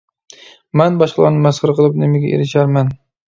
— مەن باشقىلارنى مەسخىرە قىلىپ نېمىگە ئېرىشەرمەن.